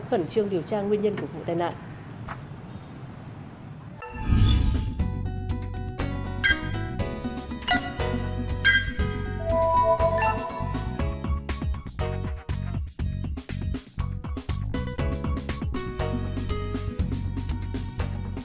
khẩn trương điều tra nguyên nhân của vụ tai nạn